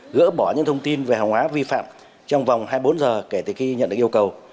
gỡ bỏ những thông tin về hàng hóa vi phạm trong vòng hai mươi bốn giờ kể từ khi nhận được yêu cầu